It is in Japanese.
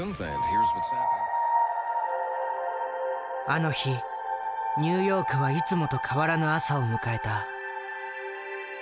あの日ニューヨークはいつもと変わらぬ朝を迎えた。